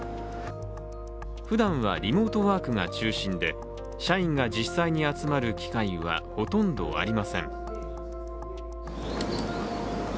ふだんはリモートワークが中心で社員が実際に集まる機会はほとんどありません。